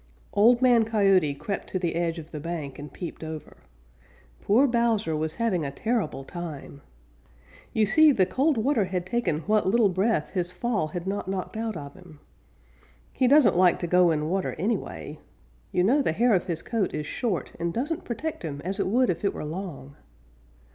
Old Man Coyote crept to the edge of the bank and peeped over. Poor Bowser was having a terrible time. You see, the cold water had taken what little breath his fall had not knocked out of him. He doesn't like to go in water anyway. You know the hair of his coat is short and doesn't protect him as it would if it were long.